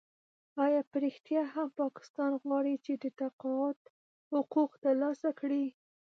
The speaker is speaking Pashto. آیا په رښتیا هم پاکستان غواړي چې د تقاعد حقوق ترلاسه کړي؟